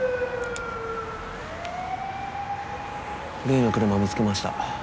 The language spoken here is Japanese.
例の車見つけました。